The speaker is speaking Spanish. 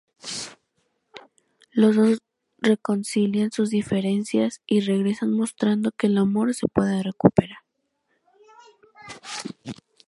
Los dos reconcilian sus diferencias y regresan mostrando que el amor se puede recuperar.